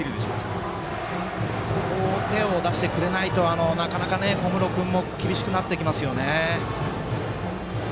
多少手を出してくれないとなかなか小室君も厳しくなりますね。